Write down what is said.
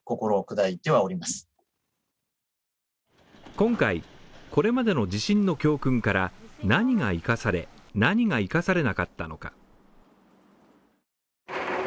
今回、これまでの地震の教訓から、何が生かされ何が生かされなかったのか。